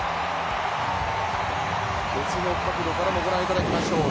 別の角度からもご覧いただきましょう。